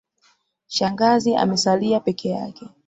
Shangazi amesalia peke yake